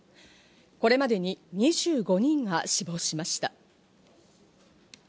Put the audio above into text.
これまでに２５人が死亡しました。